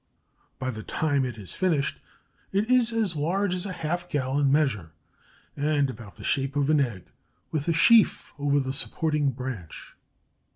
By the time it is finished it is as large as a half gallon measure and about the shape of an egg, with a sheath over the supporting branch.